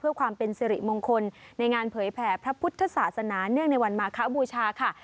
เพื่อความเป็นสิริมงคลในงานเผยแผ่พระพุทธศาสนาเนื่องในวันมาคบูชาค่ะ